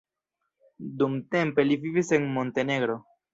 Dumtempe li vivis en Montenegro.